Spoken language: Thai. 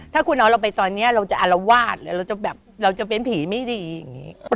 ถ้าคุณเอาเราไปตอนนี้เราจะอารวาสหรือเราจะแบบเราจะเป็นผีไม่ดีอย่างนี้